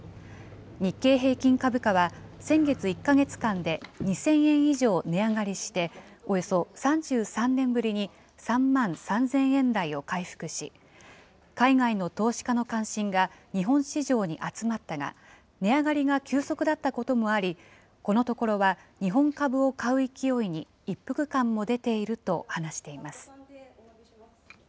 日経平均株価は先月１か月間で２０００円以上値上がりして、およそ３３年ぶりに３万３０００円台を回復し、海外の投資家の関心が、日本市場に集まったが、値上がりが急速だったこともあり、このところは、日本株を買う勢いに一服感も出ていると話しています。